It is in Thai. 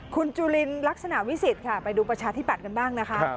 คุณจุลินลักษณะวิสิทธิ์ค่ะไปดูประชาธิบัตย์กันบ้างนะคะ